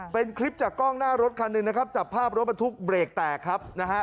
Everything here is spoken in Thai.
เป็นคลิปจากกล้องหน้ารถคันหนึ่งนะครับจับภาพรถบรรทุกเบรกแตกครับนะฮะ